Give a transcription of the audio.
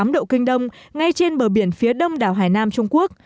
một trăm một mươi tám độ kinh đông ngay trên bờ biển phía đông đảo hải nam trung quốc